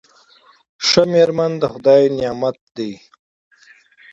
ښه میرمن د خدای نعمت دی.